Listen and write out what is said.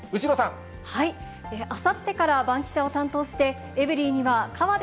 あさってからバンキシャ！を担当して、エブリィにはかわべ